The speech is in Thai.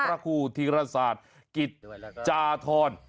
พระครูธีรศาสตร์กิจจาธร